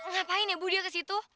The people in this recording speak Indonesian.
ngapain ya bu dia ke situ